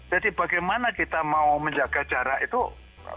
jadi bagaimana kita menghuni wilayah yang sangat kecil gitu kan